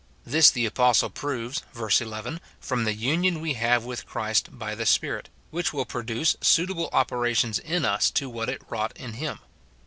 This the apostle proves, verse 11, from the union we have with Christ by the Spirit, which will produce suitable opera tions in us to what it wrought in him.